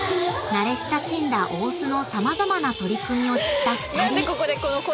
［慣れ親しんだ大須の様々な取り組みを知った２人］